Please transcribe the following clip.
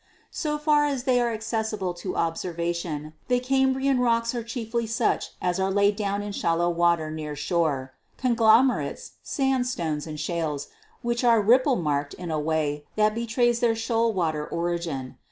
So far as they are accessible to observation, the Cam brian rocks are chiefly such as are laid down in shallow water near shore, conglomerates, sandstones and shales, HISTORICAL GEOLOGY 211 which are ripple marked in a way that betrays* their shoal water origin.